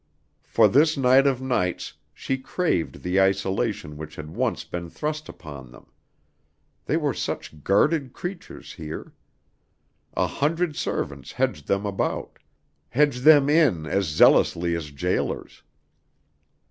For this night of nights, she craved the isolation which had once been thrust upon them. They were such guarded creatures here. An hundred servants hedged them about, hedged them in as zealously as jailers.